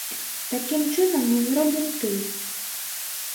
Такім чынам мы зробім тыл.